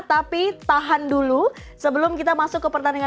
tapi tahan dulu sebelum kita masuk ke pertandingan